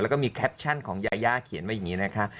แล้วก็มีแคปชั่นของยายาเขียนไว้อย่างนี้นะคะ